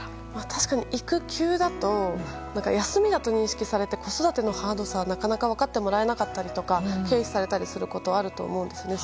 確かに育休だと休みだと認識されて子育てのハードさが、なかなか分かってもらえなかったりとか軽視されたりすることがあると思うんですね。